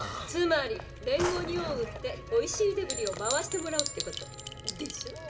つまり連合に恩を売っておいしいデブリを回してもらうって事。でしょ？